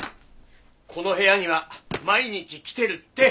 この部屋には毎日来てるって。